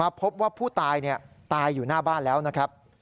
พบว่าผู้ตายตายอยู่หน้าบ้านแล้วนะครับ